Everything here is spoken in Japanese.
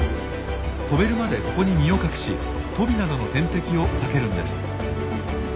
飛べるまでここに身を隠しトビなどの天敵を避けるんです。